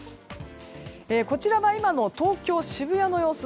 こちらは今の東京・渋谷の様子。